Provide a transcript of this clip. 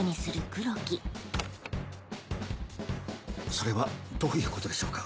それはどういうことでしょうか。